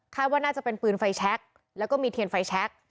ว่าน่าจะเป็นปืนไฟแช็คแล้วก็มีเทียนไฟแชค